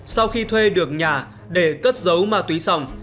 sau khi thuê được nhà để cất giấu ma túy xong